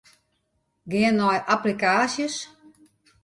Gean nei applikaasjes.